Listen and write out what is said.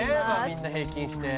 みんな平均して。